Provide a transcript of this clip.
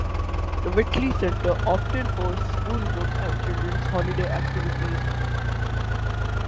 The Witley Centre often hosts school groups and children's holiday activities.